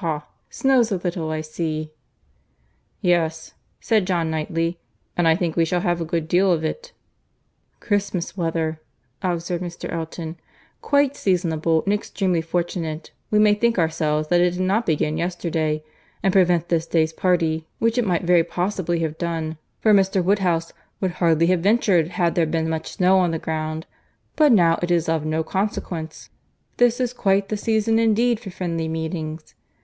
—Ha! snows a little I see." "Yes," said John Knightley, "and I think we shall have a good deal of it." "Christmas weather," observed Mr. Elton. "Quite seasonable; and extremely fortunate we may think ourselves that it did not begin yesterday, and prevent this day's party, which it might very possibly have done, for Mr. Woodhouse would hardly have ventured had there been much snow on the ground; but now it is of no consequence. This is quite the season indeed for friendly meetings.